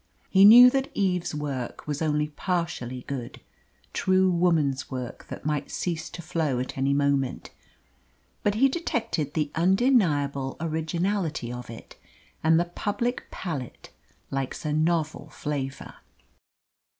He knew that Eve's work was only partially good true woman's work that might cease to flow at any moment. But he detected the undeniable originality of it, and the public palate likes a novel flavour.